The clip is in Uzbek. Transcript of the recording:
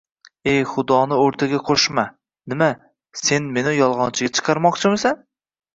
E, Xudoni oʻrtaga qoʻshma! Nima, sen meni yolgʻonchiga chiqarmoqchimisan?